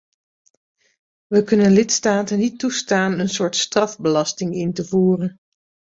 We kunnen lidstaten niet toestaan een soort strafbelasting in te voeren.